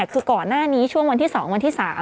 คือก่อนหน้านี้ช่วงวันที่๒วันที่๓